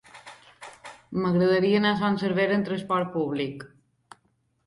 M'agradaria anar a Son Servera amb transport públic.